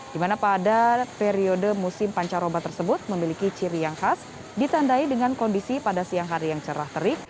di mana pada periode musim pancaroba tersebut memiliki ciri yang khas ditandai dengan kondisi pada siang hari yang cerah terik